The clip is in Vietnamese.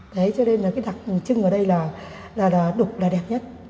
thế cho nên là cái đặc trưng ở đây là đục là đẹp nhất